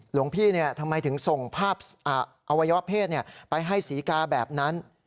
หลวงพี่ทำไมถึงส่งภาพอวัยวะเพศไปให้ศรีกาแบบนั้น